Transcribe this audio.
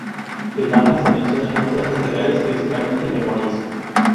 El "amba" se menciona en obras literarias, principalmente memorias.